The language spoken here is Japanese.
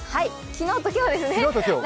昨日と今日ですね。